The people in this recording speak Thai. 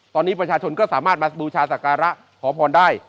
ตอนนี้ประชาชนก็สามารถมาบูชาศักระขอพรได้